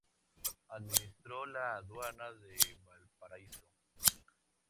Administró la Aduana de Valparaíso.